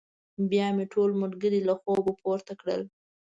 بيا مې ټول ملګري له خوبه پورته کړل.